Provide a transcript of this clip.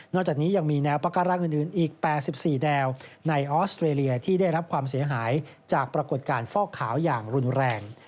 จากนี้ยังมีแนวปากการังอื่นอีก๘๔แนวในออสเตรเลียที่ได้รับความเสียหายจากปรากฏการณ์ฟอกขาวอย่างรุนแรง